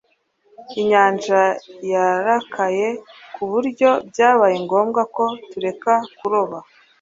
inyanja yarakaye, ku buryo byabaye ngombwa ko tureka kuroba